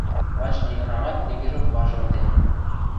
Лач нигынамат тенгежок важылде.